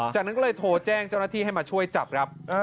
จากนั้นก็เลยโทรแจ้งเจ้าหน้าที่ให้มาช่วยจับครับ